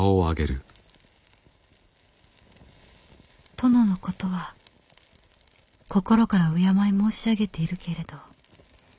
「殿のことは心から敬い申し上げているけれど」。